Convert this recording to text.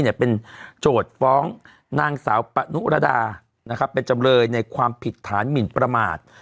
เป็นโจทย์ฟ้องนางสาวปะนุรดานะครับเป็นจำเลยในความผิดฐานหมินประมาท